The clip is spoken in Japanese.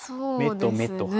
目と目と鼻。